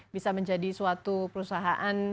bisa menjadi suatu perusahaan